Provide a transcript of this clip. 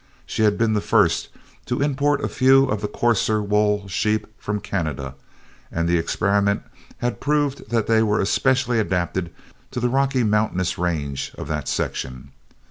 She had been the first to import a few of the coarser wool sheep from Canada and the experiment had proved that they were especially adapted to the rocky mountainous range of that section.